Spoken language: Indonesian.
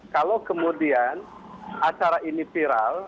kalau kemudian acara ini viral